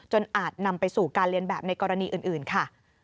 อาจนำไปสู่การเรียนแบบในกรณีอื่นค่ะ